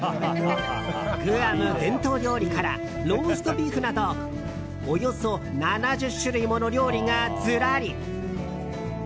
グアム伝統料理からローストビーフなどおよそ７０種類もの料理がずらり。